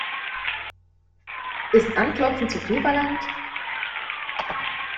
Ist Anklopfen zu viel verlangt?